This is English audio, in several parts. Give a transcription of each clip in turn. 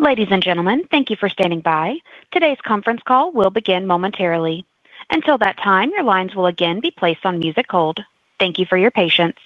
Ladies and gentlemen, thank you for standing by. Today's conference call will begin momentarily. Until that time, your lines will again be placed on music hold. Thank you for your patience.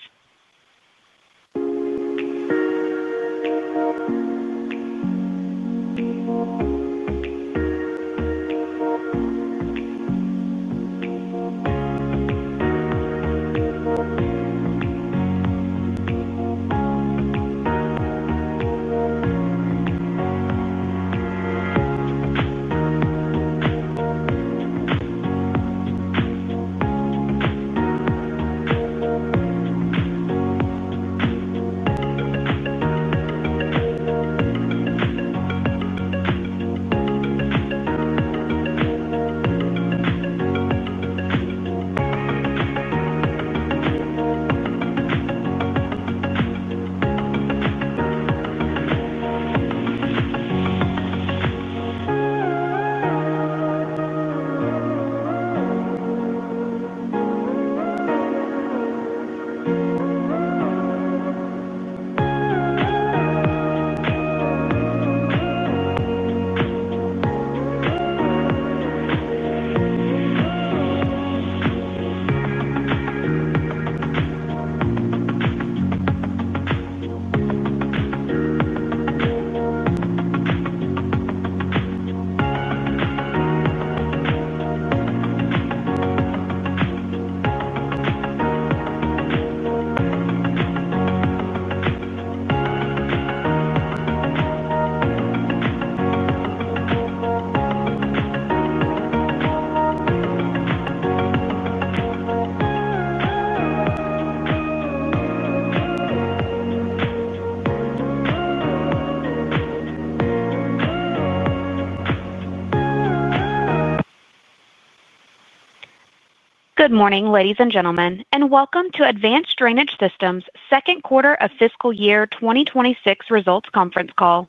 Good morning, ladies and gentlemen, and welcome to Advanced Drainage Systems' second quarter of fiscal year 2026 results conference call.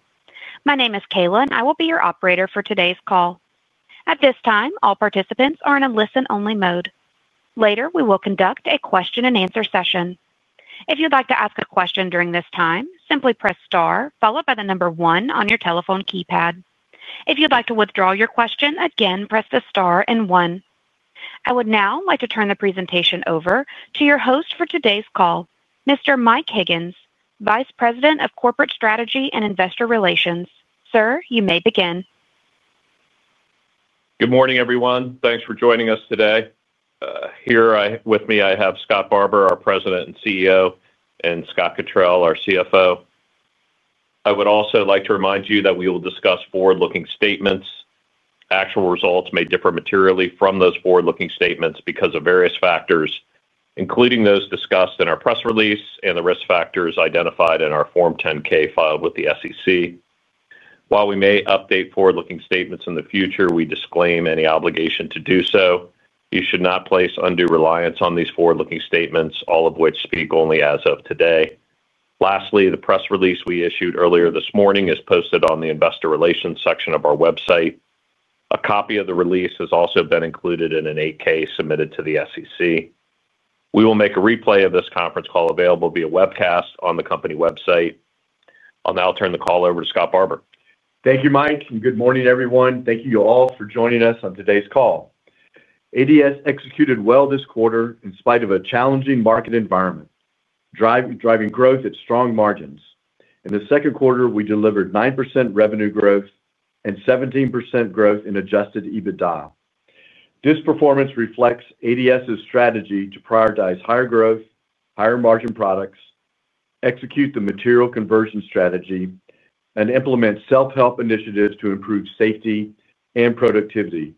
My name is Kayla, and I will be your operator for today's call. At this time, all participants are in a listen-only mode. Later, we will conduct a question-and-answer session. If you'd like to ask a question during this time, simply press star, followed by the number one on your telephone keypad. If you'd like to withdraw your question, again, press the star and one. I would now like to turn the presentation over to your host for today's call, Mr. Mike Higgins, Vice President of Corporate Strategy and Investor Relations. Sir, you may begin. Good morning, everyone. Thanks for joining us today. Here with me, I have Scott Barbour, our President and CEO, and Scott Cottrill, our CFO. I would also like to remind you that we will discuss forward-looking statements. Actual results may differ materially from those forward-looking statements because of various factors, including those discussed in our press release and the risk factors identified in our Form 10-K filed with the SEC. While we may update forward-looking statements in the future, we disclaim any obligation to do so. You should not place undue reliance on these forward-looking statements, all of which speak only as of today. Lastly, the press release we issued earlier this morning is posted on the Investor Relations section of our website. A copy of the release has also been included in an 8-K submitted to the SEC. We will make a replay of this conference call available via webcast on the company website. I'll now turn the call over to Scott Barbour. Thank you, Mike. And good morning, everyone. Thank you all for joining us on today's call. ADS executed well this quarter in spite of a challenging market environment, driving growth at strong margins. In the second quarter, we delivered 9% revenue growth and 17% growth in adjusted EBITDA. This performance reflects ADS's strategy to prioritize higher growth, higher margin products, execute the material conversion strategy, and implement self-help initiatives to improve safety and productivity,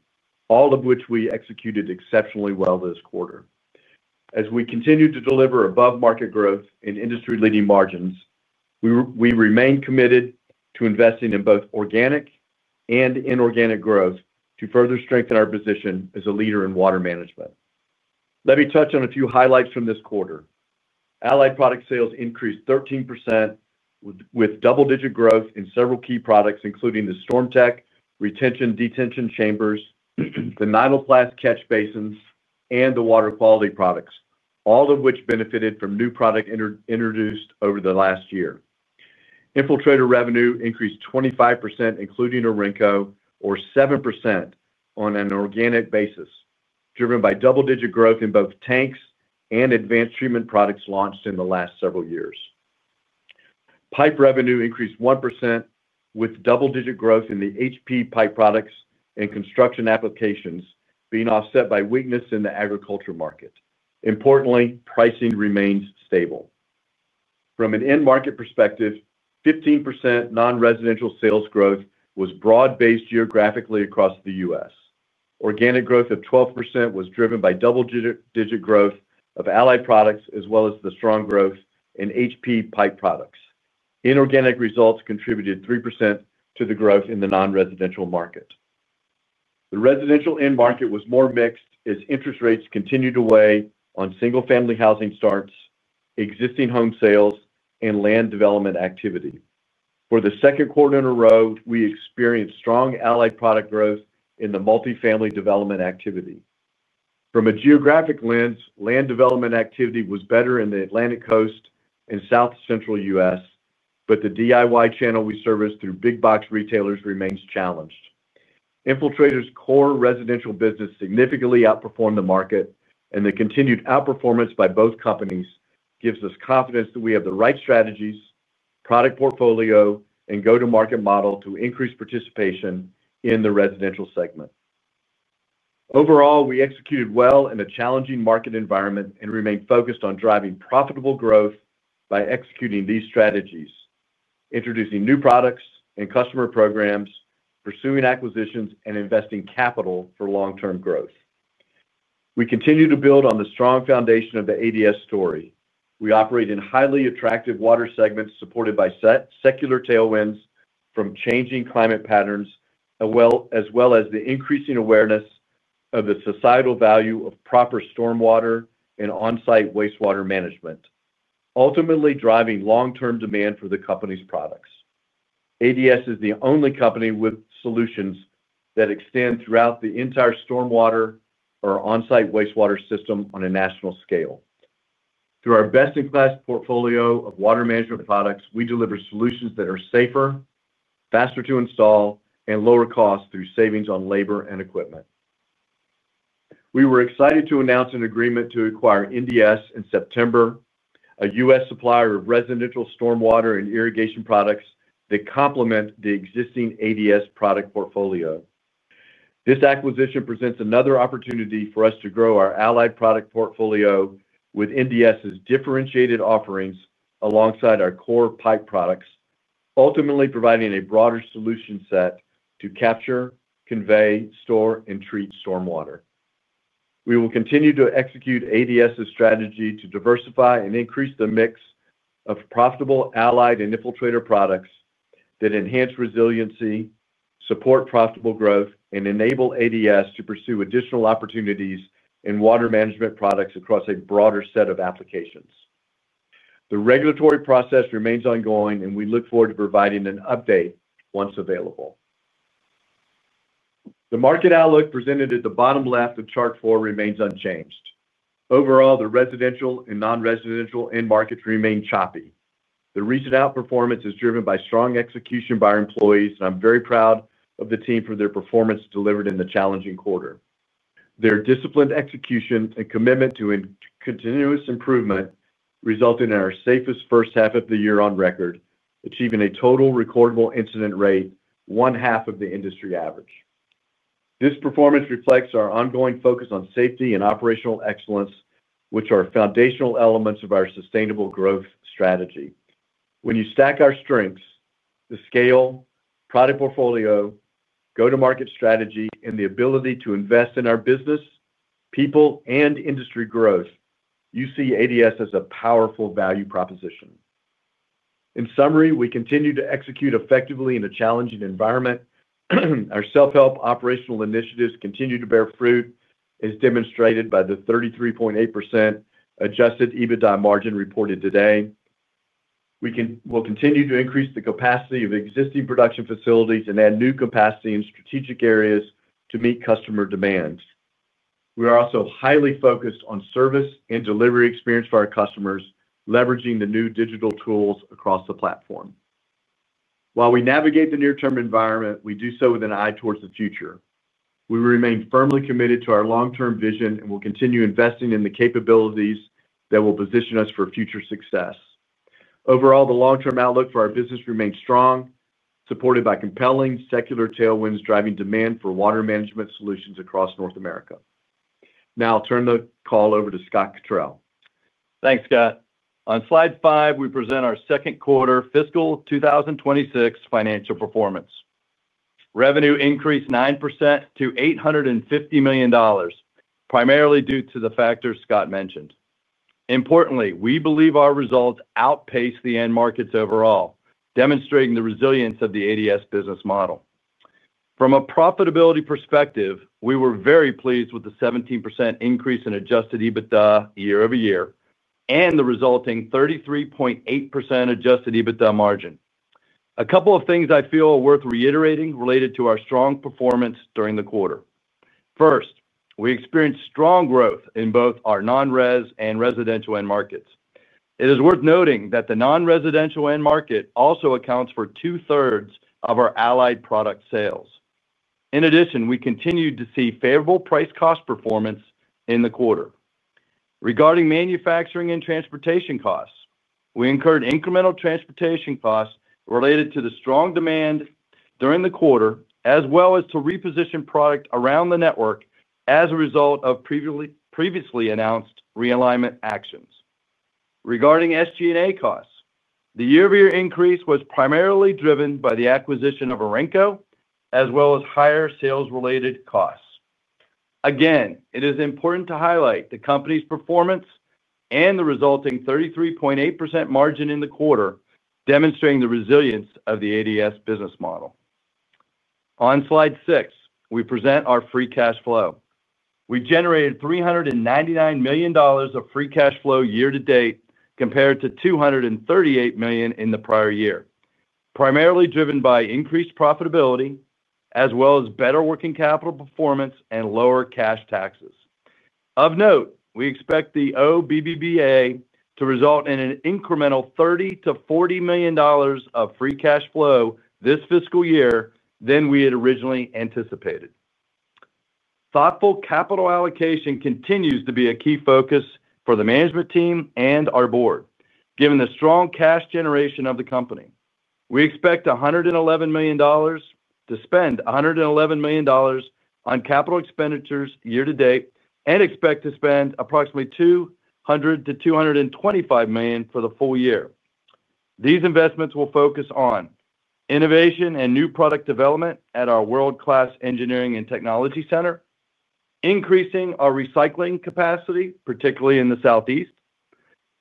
all of which we executed exceptionally well this quarter. As we continue to deliver above-market growth and industry-leading margins, we remain committed to investing in both organic and inorganic growth to further strengthen our position as a leader in water management. Let me touch on a few highlights from this quarter. Allied product sales increased 13%. With double-digit growth in several key products, including the StormTech retention-detention chambers, the Nyloplast catch basins, and the water quality products, all of which benefited from new products introduced over the last year. Infiltrator revenue increased 25%, including Orenco, or 7% on an organic basis, driven by double-digit growth in both tanks and advanced treatment products launched in the last several years. Pipe revenue increased 1%, with double-digit growth in the HP pipe products and construction applications being offset by weakness in the agriculture market. Importantly, pricing remains stable. From an end-market perspective, 15% non-residential sales growth was broad-based geographically across the U.S. Organic growth of 12% was driven by double-digit growth of Allied products, as well as the strong growth in HP pipe products. Inorganic results contributed 3% to the growth in the non-residential market. The residential end market was more mixed as interest rates continued to weigh on single-family housing starts, existing home sales, and land development activity. For the second quarter in a row, we experienced strong Allied product growth in the multi-family development activity. From a geographic lens, land development activity was better in the Atlantic Coast and south-central U.S., but the DIY channel we serviced through big-box retailers remains challenged. Infiltrator's core residential business significantly outperformed the market, and the continued outperformance by both companies gives us confidence that we have the right strategies, product portfolio, and go-to-market model to increase participation in the residential segment. Overall, we executed well in a challenging market environment and remained focused on driving profitable growth by executing these strategies: introducing new products and customer programs, pursuing acquisitions, and investing capital for long-term growth. We continue to build on the strong foundation of the ADS story. We operate in highly attractive water segments supported by secular tailwinds from changing climate patterns, as well as the increasing awareness of the societal value of proper stormwater and on-site wastewater management, ultimately driving long-term demand for the company's products. ADS is the only company with solutions that extend throughout the entire stormwater or on-site wastewater system on a national scale. Through our best-in-class portfolio of water management products, we deliver solutions that are safer, faster to install, and lower costs through savings on labor and equipment. We were excited to announce an agreement to acquire NDS in September, a U.S. supplier of residential stormwater and irrigation products that complement the existing ADS product portfolio. This acquisition presents another opportunity for us to grow our Allied product portfolio with NDS's differentiated offerings alongside our core pipe products, ultimately providing a broader solution set to capture, convey, store, and treat stormwater. We will continue to execute ADS's strategy to diversify and increase the mix of profitable Allied and Infiltrator products that enhance resiliency, support profitable growth, and enable ADS to pursue additional opportunities in water management products across a broader set of applications. The regulatory process remains ongoing, and we look forward to providing an update once available. The market outlook presented at the bottom left of chart four remains unchanged. Overall, the residential and non-residential end markets remain choppy. The recent outperformance is driven by strong execution by our employees, and I'm very proud of the team for their performance delivered in the challenging quarter. Their disciplined execution and commitment to continuous improvement resulted in our safest first half of the year on record, achieving a total recordable incident rate, one half of the industry average. This performance reflects our ongoing focus on safety and operational excellence, which are foundational elements of our sustainable growth strategy. When you stack our strengths, the scale, product portfolio, go-to-market strategy, and the ability to invest in our business, people, and industry growth, you see ADS as a powerful value proposition. In summary, we continue to execute effectively in a challenging environment. Our self-help operational initiatives continue to bear fruit, as demonstrated by the 33.8% adjusted EBITDA margin reported today. We will continue to increase the capacity of existing production facilities and add new capacity in strategic areas to meet customer demands. We are also highly focused on service and delivery experience for our customers, leveraging the new digital tools across the platform. While we navigate the near-term environment, we do so with an eye towards the future. We remain firmly committed to our long-term vision and will continue investing in the capabilities that will position us for future success. Overall, the long-term outlook for our business remains strong, supported by compelling secular tailwinds driving demand for water management solutions across North America. Now I'll turn the call over to Scott Cottrill. Thanks, Scott. On slide five, we present our second quarter fiscal 2026 financial performance. Revenue increased 9% to $850 million, primarily due to the factors Scott mentioned. Importantly, we believe our results outpace the end markets overall, demonstrating the resilience of the ADS business model. From a profitability perspective, we were very pleased with the 17% increase in adjusted EBITDA year over year and the resulting 33.8% adjusted EBITDA margin. A couple of things I feel are worth reiterating related to our strong performance during the quarter. First, we experienced strong growth in both our non-res and residential end markets. It is worth noting that the non-residential end market also accounts for two-thirds of our Allied product sales. In addition, we continued to see favorable price-cost performance in the quarter. Regarding manufacturing and transportation costs, we incurred incremental transportation costs related to the strong demand during the quarter, as well as to reposition product around the network as a result of previously announced realignment actions. Regarding SG&A costs, the year-over-year increase was primarily driven by the acquisition of Orenco, as well as higher sales-related costs. Again, it is important to highlight the company's performance and the resulting 33.8% margin in the quarter, demonstrating the resilience of the ADS business model. On slide six, we present our free cash flow. We generated $399 million of free cash flow year-to-date compared to $238 million in the prior year, primarily driven by increased profitability, as well as better working capital performance and lower cash taxes. Of note, we expect the OBBBA to result in an incremental $30 million-$40 million of free cash flow this fiscal year than we had originally anticipated. Thoughtful capital allocation continues to be a key focus for the management team and our board, given the strong cash generation of the company. We expect $111 million to spend $111 million on capital expenditures year-to-date and expect to spend approximately $200 million-$225 million for the full year. These investments will focus on innovation and new product development at our world-class engineering and technology center, increasing our recycling capacity, particularly in the Southeast.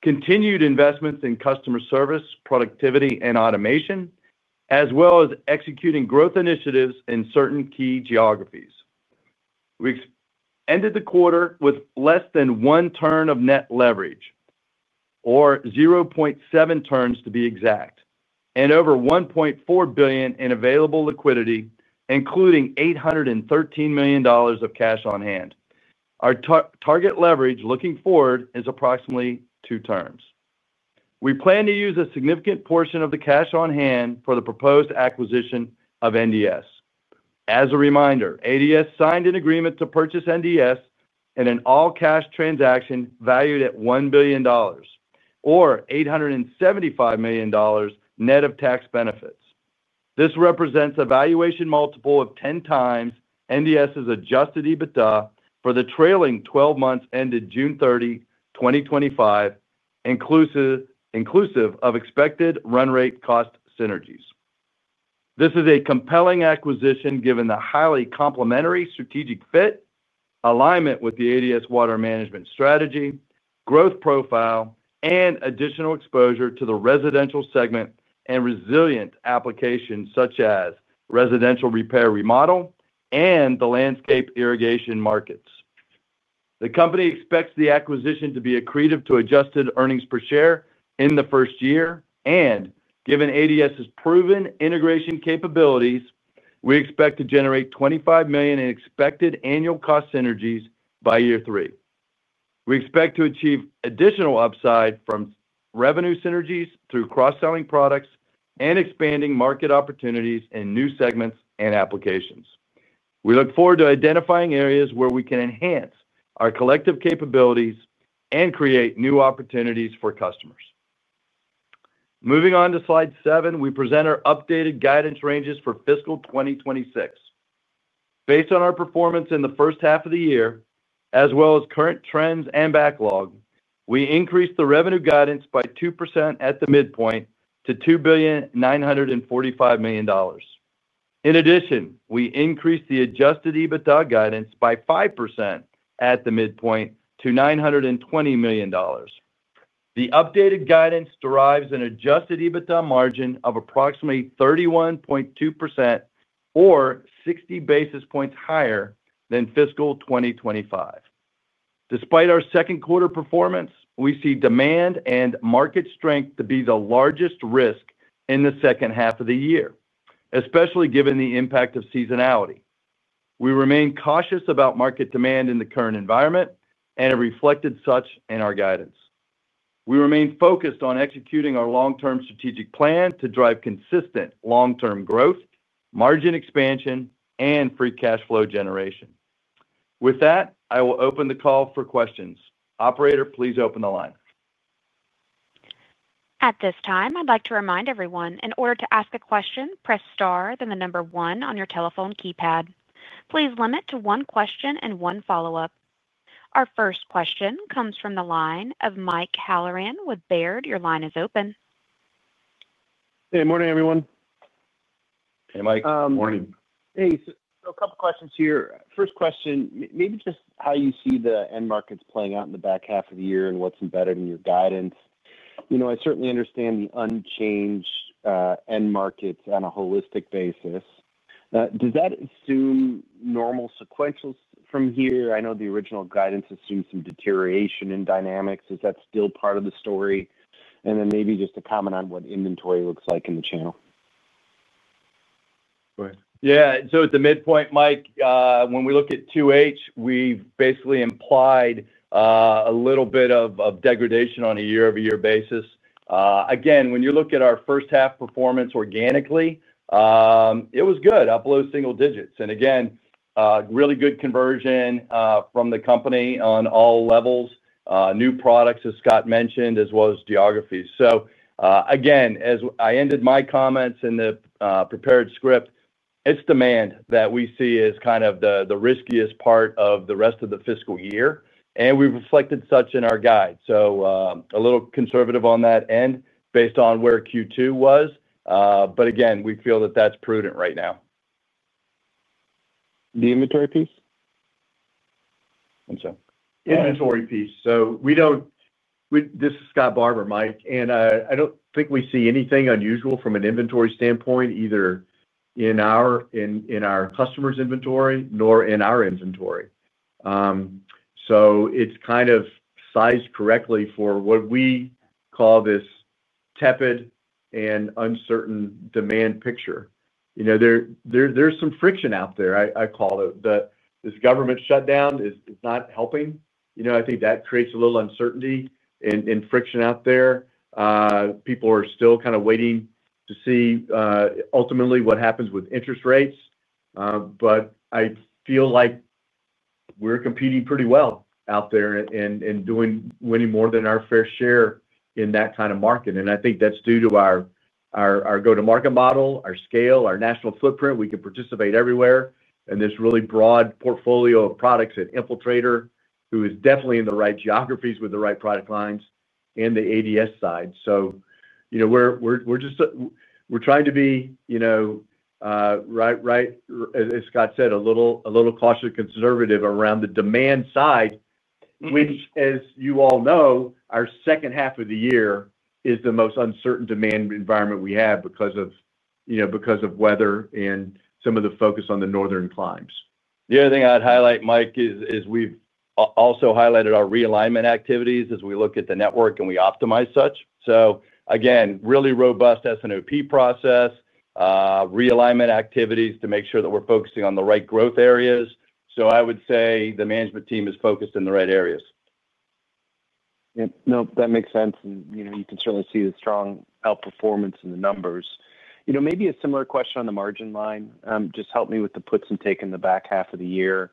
Continued investments in customer service, productivity, and automation, as well as executing growth initiatives in certain key geographies. We ended the quarter with less than one turn of net leverage, or 0.7 turns to be exact, and over $1.4 billion in available liquidity, including $813 million of cash on hand. Our target leverage looking forward is approximately two turns. We plan to use a significant portion of the cash on hand for the proposed acquisition of NDS. As a reminder, ADS signed an agreement to purchase NDS in an all-cash transaction valued at $1 billion, or $875 million net of tax benefits. This represents a valuation multiple of 10 times NDS's adjusted EBITDA for the trailing 12 months ended June 30, 2025, inclusive of expected run rate cost synergies. This is a compelling acquisition given the highly complementary strategic fit, alignment with the ADS water management strategy, growth profile, and additional exposure to the residential segment and resilient applications such as residential repair remodel and the landscape irrigation markets. The company expects the acquisition to be accretive to adjusted earnings per share in the first year, and given ADS's proven integration capabilities, we expect to generate $25 million in expected annual cost synergies by year three. We expect to achieve additional upside from revenue synergies through cross-selling products and expanding market opportunities in new segments and applications. We look forward to identifying areas where we can enhance our collective capabilities and create new opportunities for customers. Moving on to slide seven, we present our updated guidance ranges for fiscal 2026. Based on our performance in the first half of the year, as well as current trends and backlog, we increased the revenue guidance by 2% at the midpoint to $2,945 million. In addition, we increased the adjusted EBITDA guidance by 5% at the midpoint to $920 million. The updated guidance derives an adjusted EBITDA margin of approximately 31.2%, or 60 basis points higher than fiscal 2025. Despite our second quarter performance, we see demand and market strength to be the largest risk in the second half of the year, especially given the impact of seasonality. We remain cautious about market demand in the current environment, and have reflected such in our guidance. We remain focused on executing our long-term strategic plan to drive consistent long-term growth, margin expansion, and free cash flow generation. With that, I will open the call for questions. Operator, please open the line. At this time, I'd like to remind everyone, in order to ask a question, press star, then the number one on your telephone keypad. Please limit to one question and one follow-up. Our first question comes from the line of Mike Halloran with Baird. Your line is open. Hey, morning, everyone. Hey, Mike. Morning. Hey. A couple of questions here. First question, maybe just how you see the end markets playing out in the back half of the year and what's embedded in your guidance. I certainly understand the unchanged end markets on a holistic basis. Does that assume normal sequentials from here? I know the original guidance assumed some deterioration in dynamics. Is that still part of the story? Maybe just a comment on what inventory looks like in the channel. Right. Yeah. At the midpoint, Mike, when we look at 2H, we've basically implied a little bit of degradation on a year-over-year basis. Again, when you look at our first-half performance organically, it was good, up below single digits. Again, really good conversion from the company on all levels, new products, as Scott mentioned, as well as geographies. Again, as I ended my comments in the prepared script, it's demand that we see as kind of the riskiest part of the rest of the fiscal year. We've reflected such in our guide. A little conservative on that end based on where Q2 was. Again, we feel that that's prudent right now. The inventory piece? I'm sorry. Inventory piece. So. This is Scott Barbour, Mike. And I do not think we see anything unusual from an inventory standpoint, either in our customer's inventory nor in our inventory. It is kind of sized correctly for what we call this tepid and uncertain demand picture. There is some friction out there, I call it. This government shutdown is not helping. I think that creates a little uncertainty and friction out there. People are still kind of waiting to see ultimately what happens with interest rates. I feel like. We are competing pretty well out there and winning more than our fair share in that kind of market. I think that is due to our go-to-market model, our scale, our national footprint. We can participate everywhere. This really broad portfolio of products at Infiltrator, who is definitely in the right geographies with the right product lines and the ADS side. We're trying to be. Right, as Scott said, a little cautiously conservative around the demand side, which, as you all know, our second half of the year is the most uncertain demand environment we have because of weather and some of the focus on the northern climes. The other thing I'd highlight, Mike, is we've also highlighted our realignment activities as we look at the network and we optimize such. Again, really robust S&OP process. Realignment activities to make sure that we're focusing on the right growth areas. I would say the management team is focused in the right areas. No, that makes sense. You can certainly see the strong outperformance in the numbers. Maybe a similar question on the margin line. Just help me with the puts and takes in the back half of the year.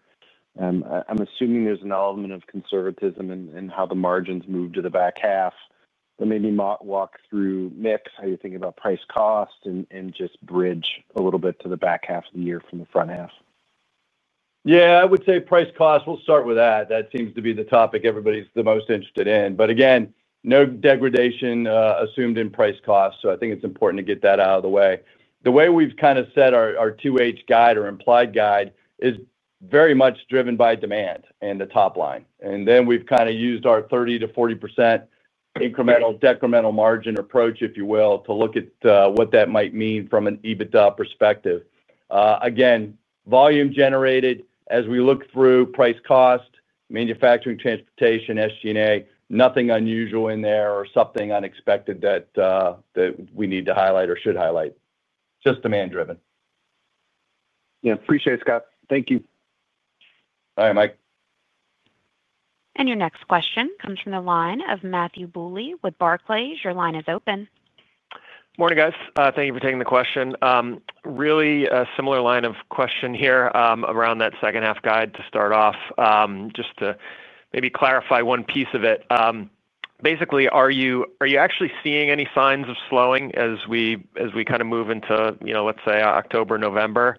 I'm assuming there's an element of conservatism in how the margins move to the back half. Maybe walk through, Mike, how you're thinking about price cost and just bridge a little bit to the back half of the year from the front half. Yeah, I would say price cost. We'll start with that. That seems to be the topic everybody's the most interested in. Again, no degradation assumed in price cost. I think it's important to get that out of the way. The way we've kind of set our 2H guide or implied guide is very much driven by demand and the top line. We've kind of used our 30%-40% incremental-decremental margin approach, if you will, to look at what that might mean from an EBITDA perspective. Again, volume generated as we look through price cost, manufacturing, transportation, SG&A, nothing unusual in there or something unexpected that we need to highlight or should highlight. Just demand-driven. Yeah. Appreciate it, Scott. Thank you. All right, Mike. Your next question comes from the line of Matthew Bouley with Barclays. Your line is open. Morning, guys. Thank you for taking the question. Really a similar line of question here around that second-half guide to start off. Just to maybe clarify one piece of it. Basically, are you actually seeing any signs of slowing as we kind of move into, let's say, October, November?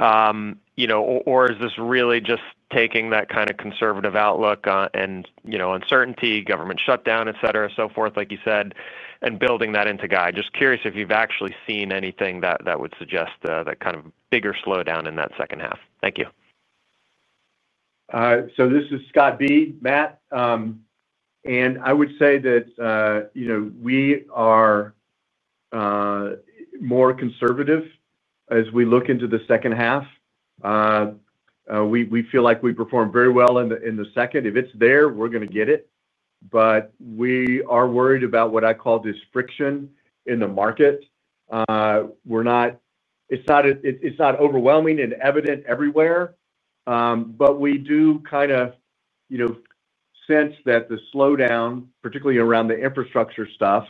Is this really just taking that kind of conservative outlook and uncertainty, government shutdown, etc., so forth, like you said, and building that into guide? Just curious if you've actually seen anything that would suggest that kind of bigger slowdown in that second half. Thank you. This is Scott B., Matt. I would say that we are more conservative as we look into the second half. We feel like we performed very well in the second. If it is there, we are going to get it. We are worried about what I call this friction in the market. It is not overwhelming and evident everywhere. We do kind of sense that the slowdown, particularly around the infrastructure stuff,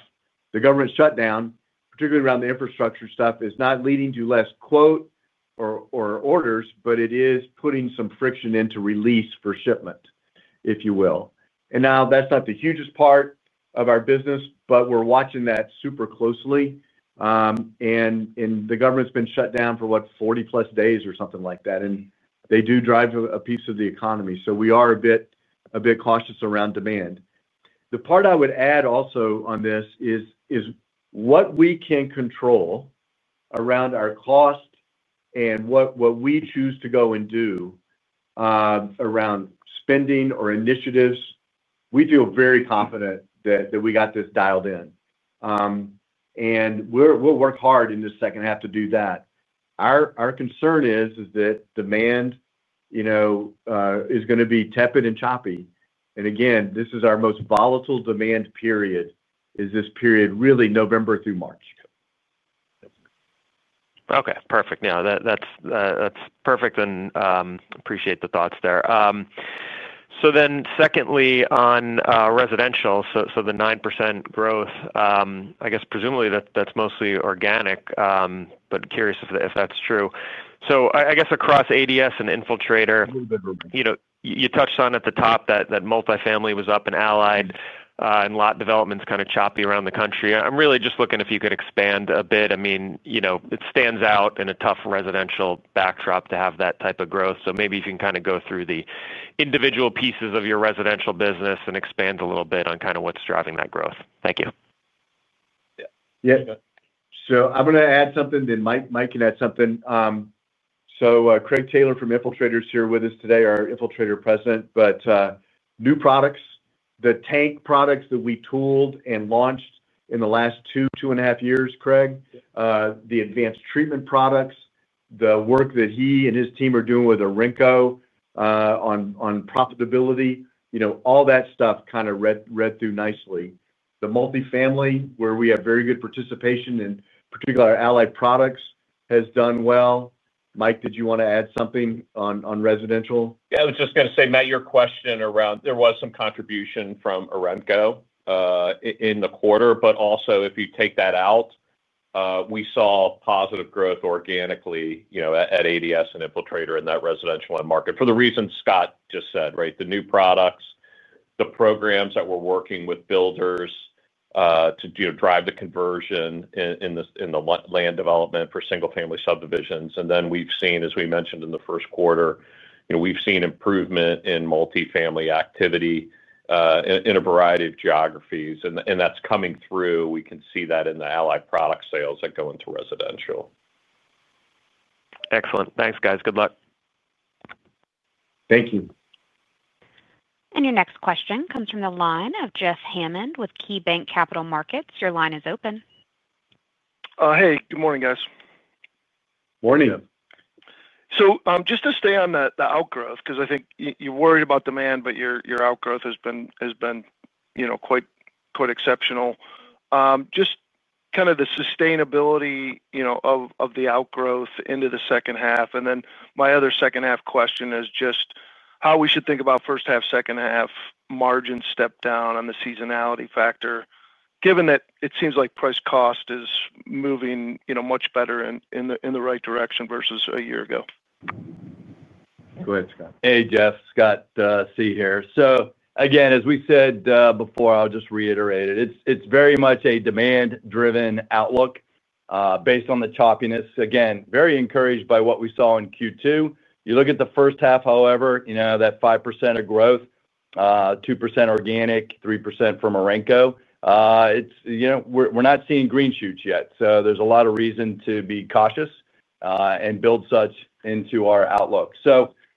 the government shutdown, particularly around the infrastructure stuff, is not leading to less quote or orders, but it is putting some friction into release for shipment, if you will. That is not the hugest part of our business, but we are watching that super closely. The government's been shut down for what, 40+ days or something like that. They do drive a piece of the economy. We are a bit cautious around demand. The part I would add also on this is what we can control around our cost and what we choose to go and do around spending or initiatives. We feel very confident that we got this dialed in and we'll work hard in this second half to do that. Our concern is that demand is going to be tepid and choppy. Again, this is our most volatile demand period, this period really November through March. Okay. Perfect. Yeah. That's perfect. And appreciate the thoughts there. Secondly, on residential, the 9% growth, I guess presumably that's mostly organic, but curious if that's true. Across ADS and Infiltrator, you touched on at the top that multifamily was up and allied and lot developments kind of choppy around the country. I'm really just looking if you could expand a bit. I mean, it stands out in a tough residential backdrop to have that type of growth. Maybe if you can kind of go through the individual pieces of your residential business and expand a little bit on what's driving that growth. Thank you. Yeah. I'm going to add something. Then Mike can add something. Craig Taylor from Infiltrator is here with us today, our Infiltrator President. New products, the tank products that we tooled and launched in the last two, two and a half years, Craig, the advanced treatment products, the work that he and his team are doing with Orenco on profitability, all that stuff kind of read through nicely. The multifamily, where we have very good participation in particular allied products, has done well. Mike, did you want to add something on residential? Yeah. I was just going to say, Matt, your question around there was some contribution from Orenco in the quarter. But also, if you take that out, we saw positive growth organically at ADS and Infiltrator in that residential end market for the reasons Scott just said, right? The new products, the programs that we're working with builders to drive the conversion in the land development for single-family subdivisions. We have seen, as we mentioned in the first quarter, improvement in multifamily activity in a variety of geographies. That is coming through. We can see that in the allied product sales that go into residential. Excellent. Thanks, guys. Good luck. Thank you. Your next question comes from the line of Jeff Hammond with KeyBanc Capital Markets. Your line is open. Hey. Good morning, guys. Morning. Just to stay on the outgrowth, because I think you're worried about demand, but your outgrowth has been quite exceptional. Just kind of the sustainability of the outgrowth into the second half. My other second-half question is just how we should think about first-half, second-half margin step down on the seasonality factor, given that it seems like price cost is moving much better in the right direction versus a year ago. Go ahead, Scott. Hey, Jeff. Scott C. here. Again, as we said before, I'll just reiterate it. It's very much a demand-driven outlook based on the choppiness. Again, very encouraged by what we saw in Q2. You look at the first half, however, that 5% of growth. 2% organic, 3% from Orenco. We're not seeing green shoots yet. There is a lot of reason to be cautious and build such into our outlook.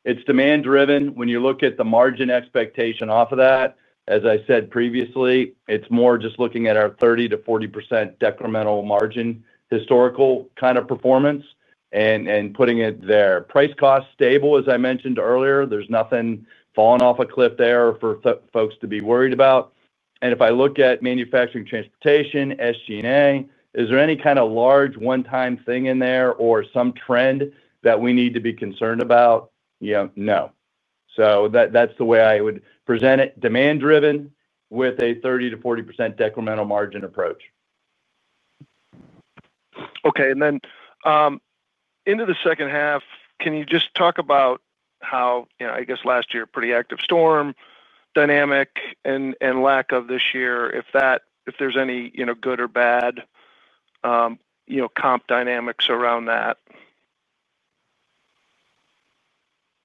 It's demand-driven. When you look at the margin expectation off of that, as I said previously, it's more just looking at our 30%-40% decremental margin historical kind of performance and putting it there. Price cost stable, as I mentioned earlier. There is nothing falling off a cliff there for folks to be worried about. If I look at manufacturing, transportation, SG&A, is there any kind of large one-time thing in there or some trend that we need to be concerned about? No. That is the way I would present it. Demand-driven with a 30%-40% decremental margin approach. Okay. And then into the second half, can you just talk about how, I guess, last year, pretty active storm dynamic and lack of this year, if there's any good or bad comp dynamics around that?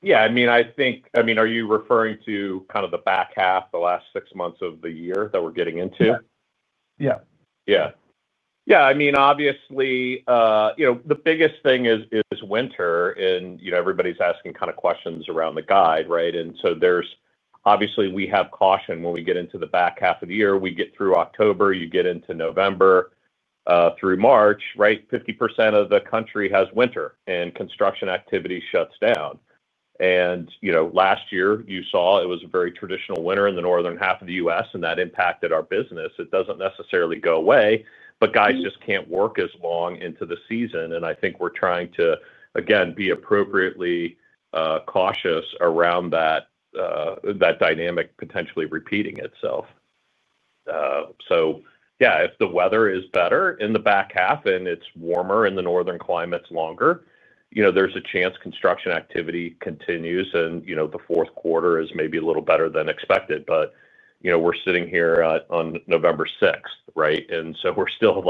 Yeah. I mean, I think, I mean, are you referring to kind of the back half, the last six months of the year that we're getting into? Yeah. Yeah. Yeah. I mean, obviously. The biggest thing is winter, and everybody's asking kind of questions around the guide, right? Obviously, we have caution when we get into the back half of the year. We get through October, you get into November. Through March, right, 50% of the country has winter and construction activity shuts down. Last year, you saw it was a very traditional winter in the northern half of the U.S., and that impacted our business. It doesn't necessarily go away, but guys just can't work as long into the season. I think we're trying to, again, be appropriately cautious around that dynamic potentially repeating itself. Yeah, if the weather is better in the back half and it's warmer in the northern climates longer, there's a chance construction activity continues and the fourth quarter is maybe a little better than expected. We're sitting here on November 6th, right? And so we're still,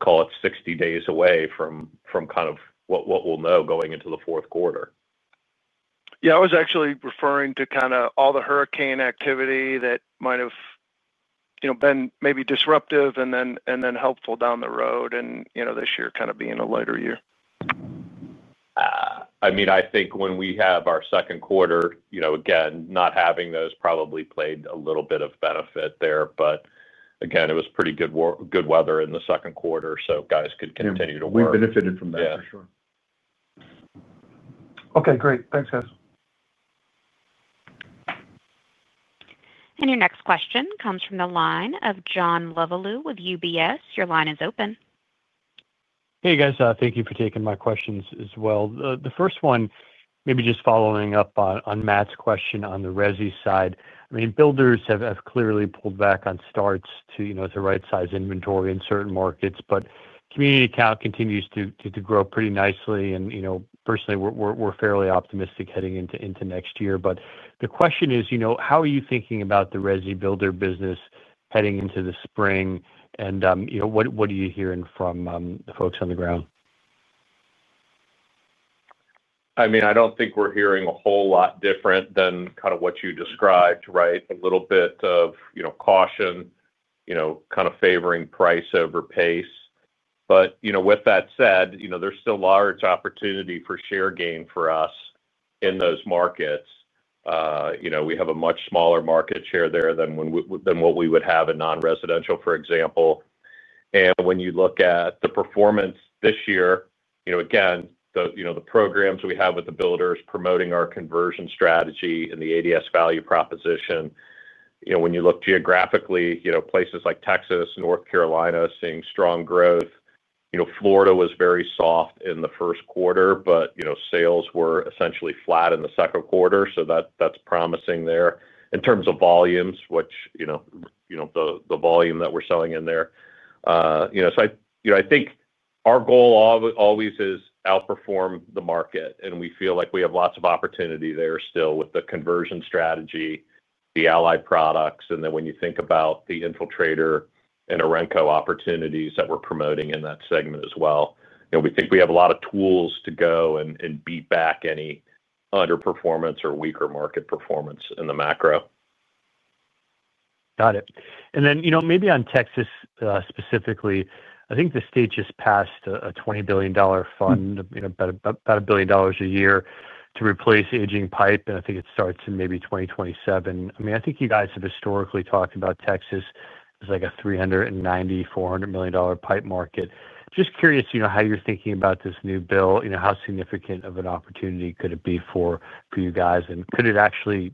call it 60 days away from kind of what we'll know going into the fourth quarter. Yeah. I was actually referring to kind of all the hurricane activity that might have been maybe disruptive and then helpful down the road, and this year kind of being a lighter year. I mean, I think when we have our second quarter, again, not having those probably played a little bit of benefit there. Again, it was pretty good weather in the second quarter, so guys could continue to work. We benefited from that for sure. Okay. Great. Thanks, guys. Your next question comes from the line of John Lovallo with UBS. Your line is open. Hey, guys. Thank you for taking my questions as well. The first one, maybe just following up on Matt's question on the Resi side. I mean, builders have clearly pulled back on starts to the right size inventory in certain markets, but community count continues to grow pretty nicely. And personally, we're fairly optimistic heading into next year. The question is, how are you thinking about the Resi builder business heading into the spring? What are you hearing from the folks on the ground? I mean, I do not think we are hearing a whole lot different than kind of what you described, right? A little bit of caution, kind of favoring price over pace. With that said, there is still large opportunity for share gain for us in those markets. We have a much smaller market share there than what we would have in non-residential, for example. When you look at the performance this year, again, the programs we have with the builders promoting our conversion strategy and the ADS value proposition. When you look geographically, places like Texas, North Carolina seeing strong growth. Florida was very soft in the first quarter, but sales were essentially flat in the second quarter. That is promising there in terms of volumes, which. The volume that we are selling in there. I think our goal always is outperform the market. We feel like we have lots of opportunity there still with the conversion strategy, the allied products. When you think about the Infiltrator and Orenco opportunities that we're promoting in that segment as well, we think we have a lot of tools to go and beat back any underperformance or weaker market performance in the macro. Got it. Maybe on Texas specifically, I think the state just passed a $20 billion fund. About $1 billion a year to replace aging pipe. I think it starts in maybe 2027. I mean, I think you guys have historically talked about Texas as like a $390 million-$400 million pipe market. Just curious how you're thinking about this new bill. How significant of an opportunity could it be for you guys? Could it actually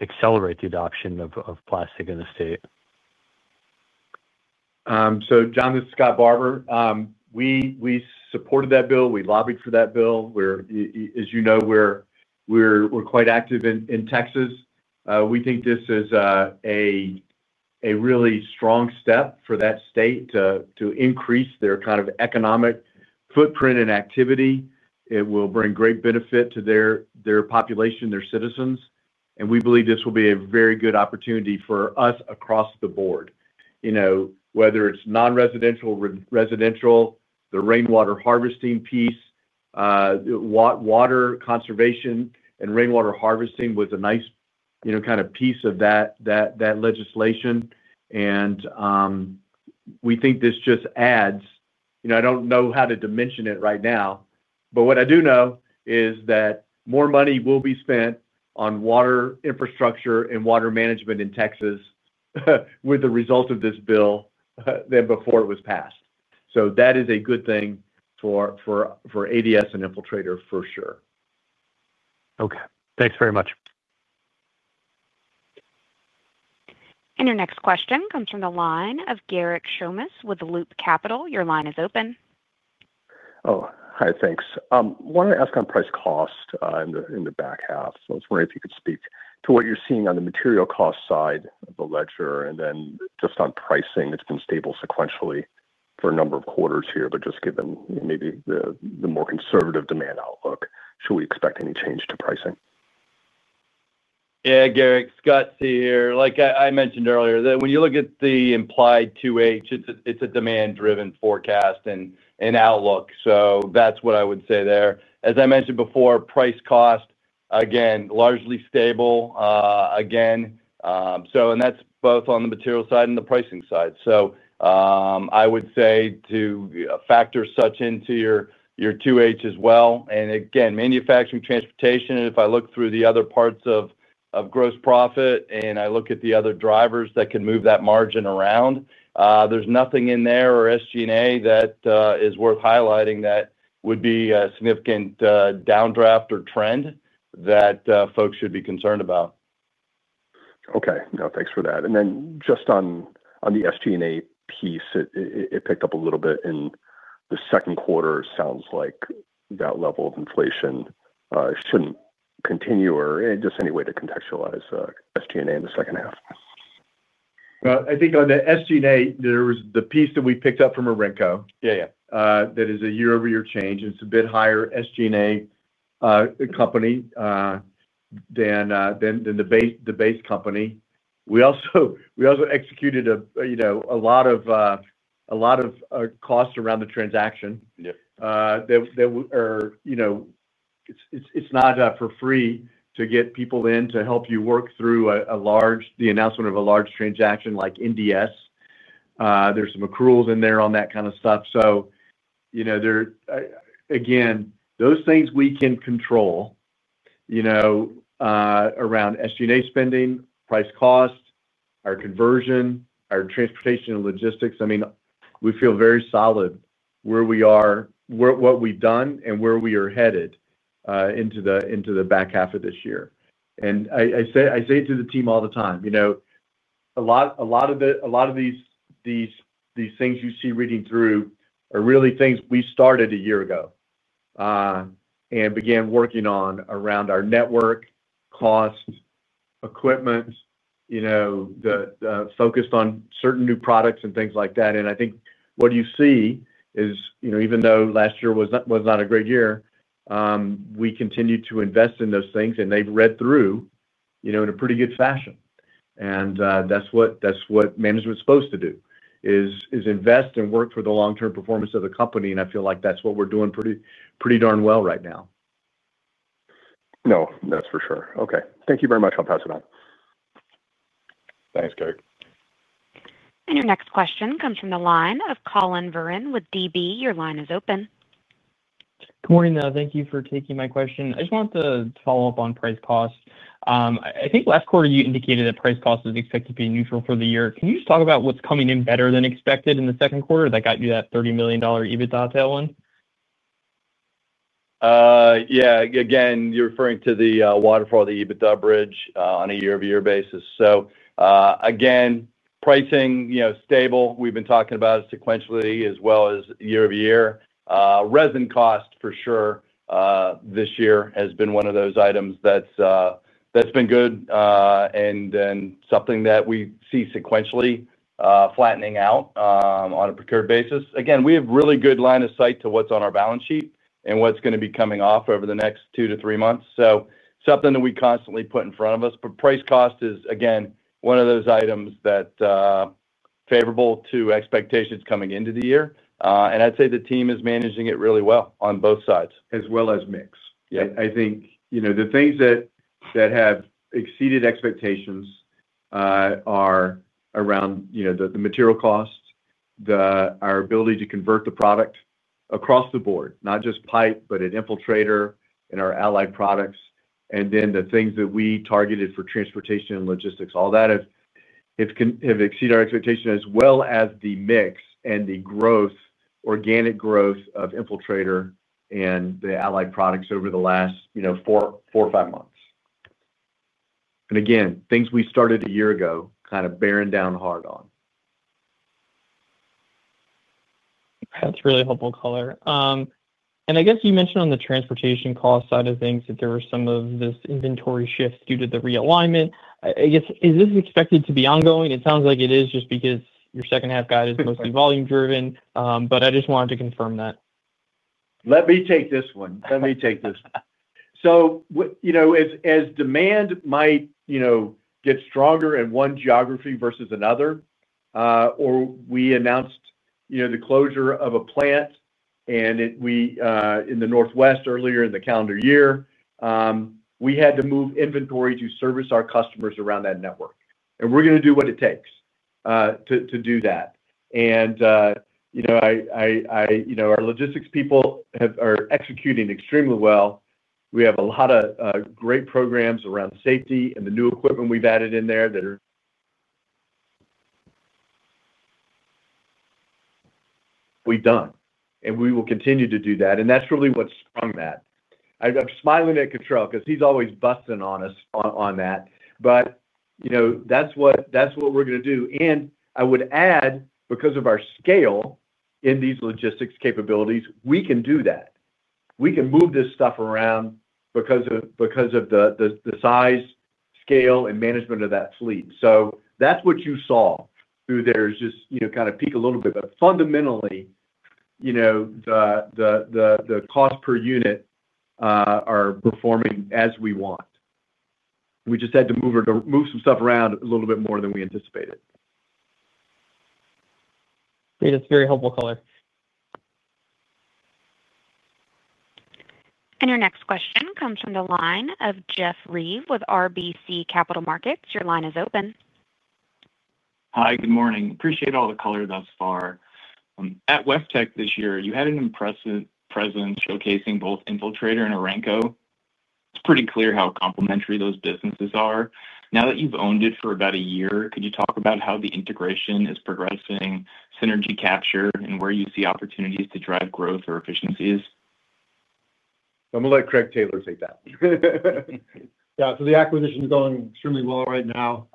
accelerate the adoption of plastic in the state? John, this is Scott Barbour. We supported that bill. We lobbied for that bill. As you know, we're quite active in Texas. We think this is a really strong step for that state to increase their kind of economic footprint and activity. It will bring great benefit to their population, their citizens. We believe this will be a very good opportunity for us across the board, whether it's non-residential, residential, the rainwater harvesting piece. Water conservation and rainwater harvesting with a nice kind of piece of that legislation. We think this just adds—I don't know how to dimension it right now. What I do know is that more money will be spent on water infrastructure and water management in Texas with the result of this bill than before it was passed. That is a good thing for ADS and Infiltrator for sure. Okay. Thanks very much. Your next question comes from the line of Garik Shmois with Loop Capital. Your line is open. Oh, hi. Thanks. I wanted to ask on price cost in the back half. I was wondering if you could speak to what you're seeing on the material cost side of the ledger and then just on pricing. It's been stable sequentially for a number of quarters here, but just given maybe the more conservative demand outlook, should we expect any change to pricing? Yeah, Garik, Scott C. here. Like I mentioned earlier, when you look at the implied 2H, it's a demand-driven forecast and outlook. That is what I would say there. As I mentioned before, price cost, again, largely stable. Again, that is both on the material side and the pricing side. I would say to factor such into your 2H as well. Again, manufacturing, transportation, and if I look through the other parts of gross profit and I look at the other drivers that can move that margin around, there is nothing in there or SG&A that is worth highlighting that would be a significant downdraft or trend that folks should be concerned about. Okay. No, thanks for that. And then just on the SG&A piece, it picked up a little bit in the second quarter. It sounds like that level of inflation shouldn't continue or just any way to contextualize SG&A in the second half. I think on the SG&A, there was the piece that we picked up from Orenco. Yeah, yeah. That is a year-over-year change. It is a bit higher SG&A company than the base company. We also executed a lot of costs around the transaction. Yep. That are. It's not for free to get people in to help you work through the announcement of a large transaction like NDS. There's some accruals in there on that kind of stuff. Again, those things we can control. Around SG&A spending, price cost, our conversion, our transportation and logistics. I mean, we feel very solid where we are, what we've done, and where we are headed into the back half of this year. I say it to the team all the time. A lot of these things you see reading through are really things we started a year ago and began working on around our network, cost, equipment, focused on certain new products and things like that. I think what you see is, even though last year was not a great year, we continued to invest in those things, and they've read through. In a pretty good fashion. That is what management is supposed to do, is invest and work for the long-term performance of the company. I feel like that is what we are doing pretty darn well right now. No, that's for sure. Okay. Thank you very much. I'll pass it on. Thanks, Garik. Your next question comes from the line of Collin Verron with DB. Your line is open. Good morning, though. Thank you for taking my question. I just wanted to follow up on price cost. I think last quarter, you indicated that price cost is expected to be neutral for the year. Can you just talk about what's coming in better than expected in the second quarter that got you that $30 million EBITDA tailwind? Yeah. Again, you're referring to the waterfall, the EBITDA bridge on a year-over-year basis. Again, pricing stable. We've been talking about it sequentially as well as year-over-year. Resin cost for sure. This year has been one of those items that's been good. Then something that we see sequentially flattening out on a procured basis. Again, we have a really good line of sight to what's on our balance sheet and what's going to be coming off over the next two to three months. Something that we constantly put in front of us. Price cost is, again, one of those items that is favorable to expectations coming into the year. I'd say the team is managing it really well on both sides. As well as mix. I think the things that have exceeded expectations are around the material cost. Our ability to convert the product across the board, not just pipe, but at Infiltrator and our allied products. The things that we targeted for transportation and logistics, all that have exceeded our expectations as well as the mix and the organic growth of Infiltrator and the allied products over the last four or five months. Again, things we started a year ago kind of bearing down hard on. That's really helpful, color. I guess you mentioned on the transportation cost side of things that there were some of this inventory shift due to the realignment. I guess, is this expected to be ongoing? It sounds like it is just because your second half guide is mostly volume-driven. I just wanted to confirm that. Let me take this one. As demand might get stronger in one geography versus another, or we announced the closure of a plant in the Northwest earlier in the calendar year, we had to move inventory to service our customers around that network. We're going to do what it takes to do that. Our logistics people are executing extremely well. We have a lot of great programs around safety and the new equipment we've added in there that are. We've done, and we will continue to do that. That's really what's strung that. I'm smiling at Cottrill because he's always busting on us on that. That's what we're going to do. I would add, because of our scale in these logistics capabilities, we can do that. We can move this stuff around because of the size, scale, and management of that fleet. That is what you saw through there is just kind of peek a little bit. Fundamentally, the cost per unit are performing as we want. We just had to move some stuff around a little bit more than we anticipated. It's very helpful, color. Your next question comes from the line of Jeff Reive with RBC Capital Markets. Your line is open. Hi, good morning. Appreciate all the color thus far. At West Tech this year, you had an impressive presence showcasing both Infiltrator and Orenco. It's pretty clear how complementary those businesses are. Now that you've owned it for about a year, could you talk about how the integration is progressing, synergy capture, and where you see opportunities to drive growth or efficiencies? I'm going to let Craig Taylor take that. Yeah. The acquisition is going extremely well right now.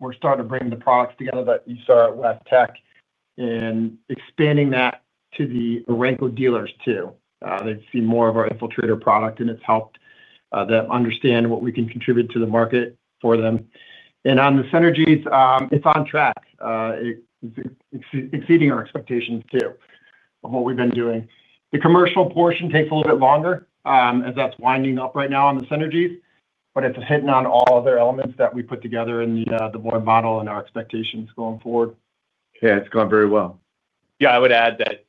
We're starting to bring the products together that you saw at West Tech and expanding that to the Orenco dealers too. They've seen more of our Infiltrator products, and it's helped them understand what we can contribute to the market for them. On the synergies, it's on track. It's exceeding our expectations too, of what we've been doing. The commercial portion takes a little bit longer as that's winding up right now on the synergies, but it's hitting on all of the elements that we put together in the board model and our expectations going forward. Yeah, it's gone very well. Yeah, I would add that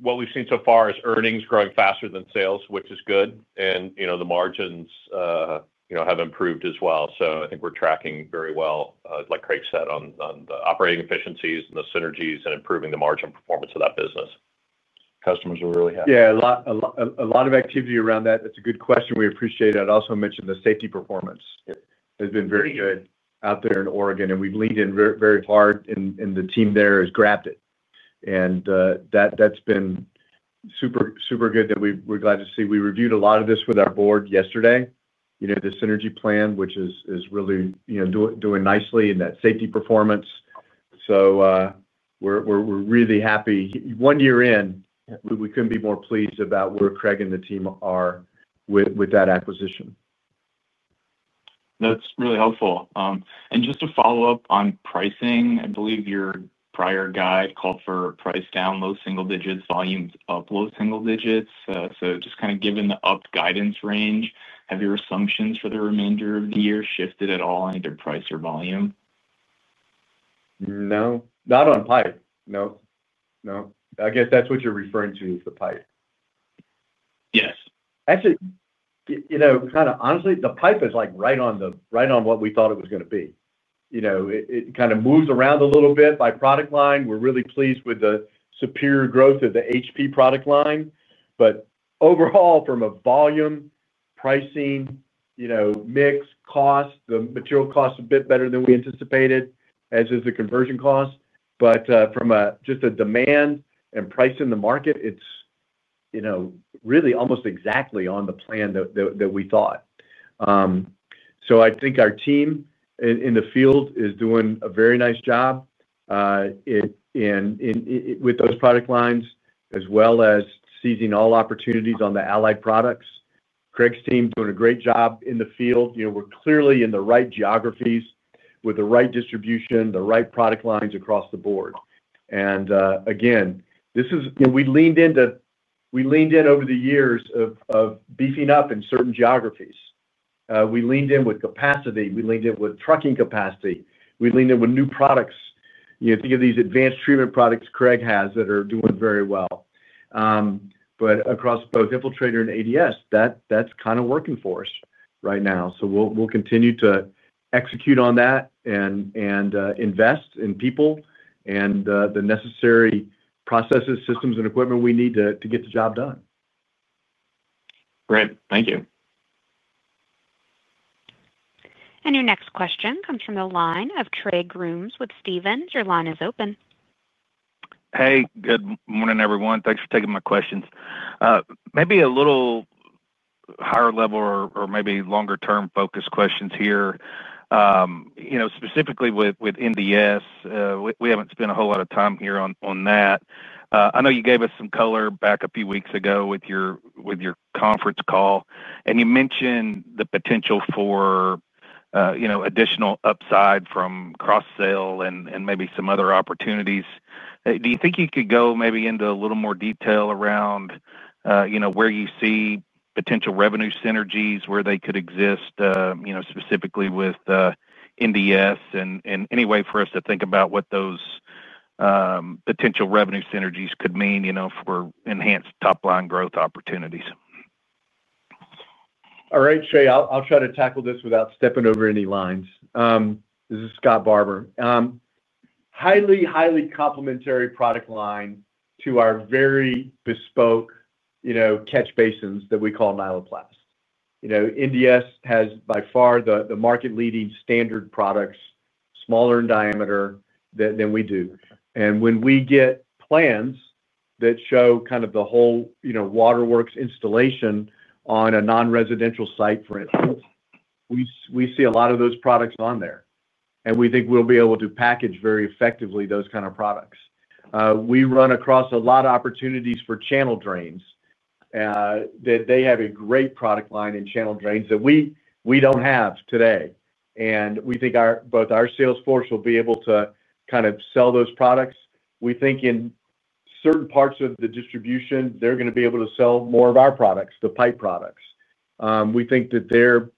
what we've seen so far is earnings growing faster than sales, which is good. The margins have improved as well. I think we're tracking very well, like Craig said, on the operating efficiencies and the synergies and improving the margin performance of that business. Customers are really happy. Yeah, a lot of activity around that. That's a good question. We appreciate it. I'd also mention the safety performance has been very good out there in Oregon. We've leaned in very hard, and the team there has grabbed it. That's been super good that we're glad to see. We reviewed a lot of this with our board yesterday. The synergy plan, which is really doing nicely in that safety performance. We're really happy. One year in, we couldn't be more pleased about where Craig and the team are with that acquisition. That's really helpful. Just to follow up on pricing, I believe your prior guide called for price down low single digits, volume up low single digits. Just kind of given the up guidance range, have your assumptions for the remainder of the year shifted at all in either price or volume? No. Not on pipe. No. No. I guess that's what you're referring to is the pipe. Yes. Actually, kind of honestly, the pipe is right on what we thought it was going to be. It kind of moves around a little bit by product line. We're really pleased with the superior growth of the HP product line. Overall, from a volume, pricing, mix, cost, the material cost is a bit better than we anticipated, as is the conversion cost. From just the demand and price in the market, it's really almost exactly on the plan that we thought. I think our team in the field is doing a very nice job with those product lines, as well as seizing all opportunities on the allied products. Craig's team is doing a great job in the field. We're clearly in the right geographies with the right distribution, the right product lines across the board. Again, this is we leaned in. Over the years of beefing up in certain geographies. We leaned in with capacity. We leaned in with trucking capacity. We leaned in with new products. Think of these advanced treatment products Craig has that are doing very well. Across both Infiltrator and ADS, that's kind of working for us right now. We will continue to execute on that and invest in people and the necessary processes, systems, and equipment we need to get the job done. Great. Thank you. Your next question comes from the line of Trey Grooms with Stephens. Your line is open. Hey, good morning, everyone. Thanks for taking my questions. Maybe a little higher level or maybe longer-term focus questions here. Specifically with NDS, we haven't spent a whole lot of time here on that. I know you gave us some color back a few weeks ago with your conference call. You mentioned the potential for additional upside from cross-sale and maybe some other opportunities. Do you think you could go maybe into a little more detail around where you see potential revenue synergies, where they could exist? Specifically with NDS, and any way for us to think about what those potential revenue synergies could mean for enhanced top-line growth opportunities? All right, Trey, I'll try to tackle this without stepping over any lines. This is Scott Barbour. Highly, highly complementary product line to our very bespoke catch basins that we call Nyloplast. NDS has by far the market-leading standard products, smaller in diameter than we do. When we get plans that show kind of the whole waterworks installation on a non-residential site, for instance, we see a lot of those products on there. We think we'll be able to package very effectively those kind of products. We run across a lot of opportunities for channel drains. They have a great product line in channel drains that we do not have today. We think both our sales force will be able to kind of sell those products. We think in certain parts of the distribution, they're going to be able to sell more of our products, the pipe products. We think that their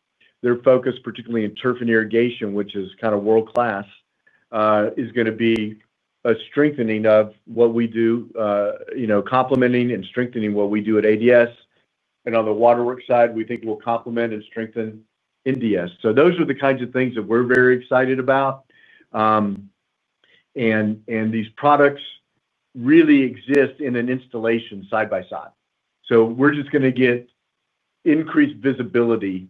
focus, particularly in turf and irrigation, which is kind of world-class, is going to be a strengthening of what we do, complementing and strengthening what we do at ADS. On the waterworks side, we think we'll complement and strengthen NDS. Those are the kinds of things that we're very excited about. These products really exist in an installation side by side. We're just going to get increased visibility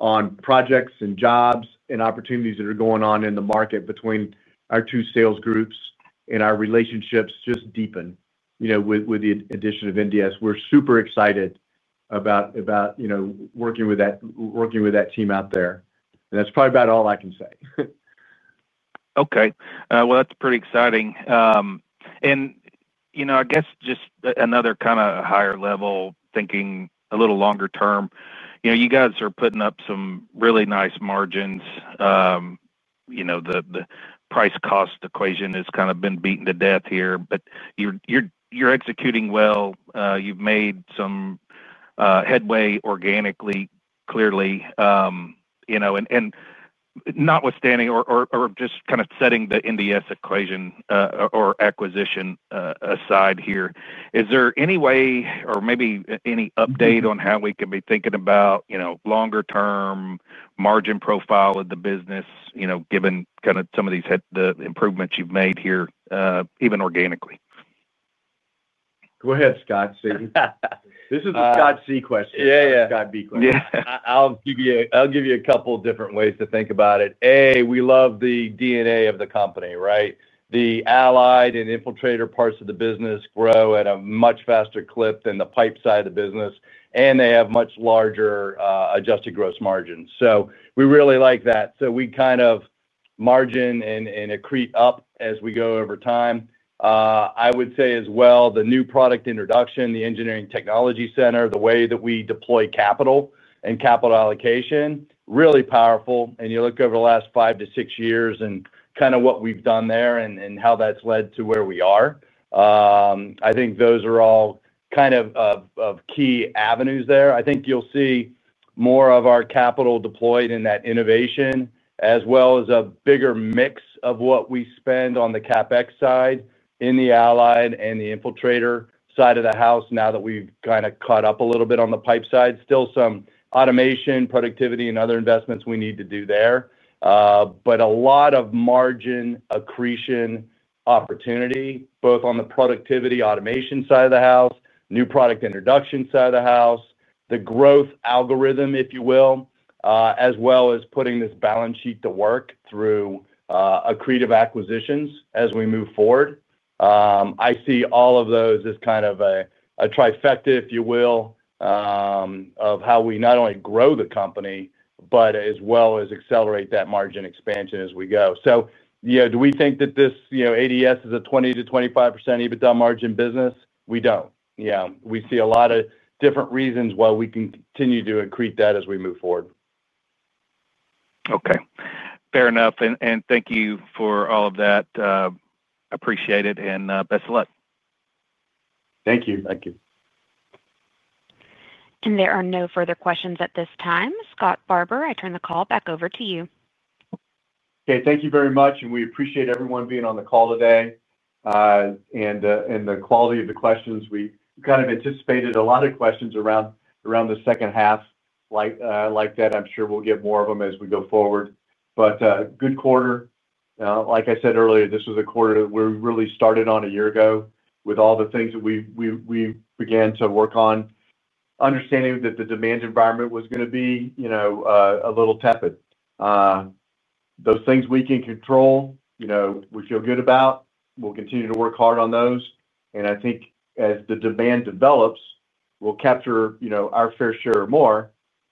on projects and jobs and opportunities that are going on in the market between our two sales groups, and our relationships just deepen with the addition of NDS. We're super excited about working with that team out there. That's probably about all I can say. Okay. That's pretty exciting. I guess just another kind of higher-level thinking, a little longer term, you guys are putting up some really nice margins. The price-cost equation has kind of been beaten to death here. You're executing well. You've made some headway organically, clearly. Notwithstanding or just kind of setting the NDS equation or acquisition aside here, is there any way or maybe any update on how we can be thinking about longer-term margin profile of the business, given kind of some of the improvements you've made here, even organically? Go ahead, Scott. See? This is a Scott Cottrill question, not a Scott Barbour question. Yeah. Yeah. I'll give you a couple of different ways to think about it. A, we love the DNA of the company, right? The allied and Infiltrator parts of the business grow at a much faster clip than the pipe side of the business. They have much larger adjusted gross margins. We really like that. We kind of margin and accrete up as we go over time. I would say as well, the new product introduction, the engineering technology center, the way that we deploy capital and capital allocation, really powerful. You look over the last five to six years and kind of what we've done there and how that's led to where we are. I think those are all kind of key avenues there. I think you'll see more of our capital deployed in that innovation, as well as a bigger mix of what we spend on the CapEx side in the allied and the Infiltrator side of the house now that we've kind of caught up a little bit on the pipe side. Still some automation, productivity, and other investments we need to do there. A lot of margin accretion opportunity, both on the productivity automation side of the house, new product introduction side of the house, the growth algorithm, if you will, as well as putting this balance sheet to work through accretive acquisitions as we move forward. I see all of those as kind of a trifecta, if you will, of how we not only grow the company, but as well as accelerate that margin expansion as we go. Do we think that this ADS is a 20-25% EBITDA margin business? We do not. Yeah. We see a lot of different reasons why we can continue to accrete that as we move forward. Okay. Fair enough. Thank you for all of that. I appreciate it. Best of luck. Thank you. Thank you. There are no further questions at this time. Scott Barbour, I turn the call back over to you. Okay. Thank you very much. We appreciate everyone being on the call today. The quality of the questions, we kind of anticipated a lot of questions around the second half like that. I'm sure we'll get more of them as we go forward. Good quarter. Like I said earlier, this was a quarter where we really started on a year ago with all the things that we began to work on. Understanding that the demand environment was going to be a little tepid. Those things we can control, we feel good about. We'll continue to work hard on those. I think as the demand develops, we'll capture our fair share more,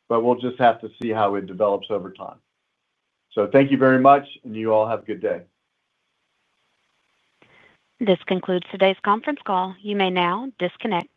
but we'll just have to see how it develops over time. Thank you very much, and you all have a good day. This concludes today's conference call. You may now disconnect.